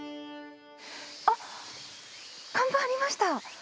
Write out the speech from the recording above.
あっ、看板ありました。